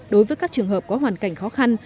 đối với các trường hợp có hoàn cảnh khó khăn